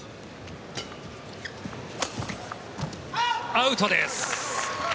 アウトです。